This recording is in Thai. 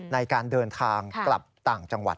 ในการเดินทางกลับต่างจังหวัด